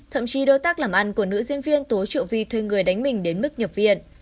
thậm chí đối tác làm ăn của nữ diễn viên tố triệu vi thuê người đánh mình đến mức nhập viện